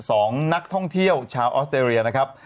สองนักท่องเที่ยวชาวออสเตรเลียนะครับ